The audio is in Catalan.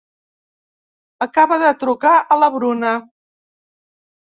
Acaba de trucar a la Bruna.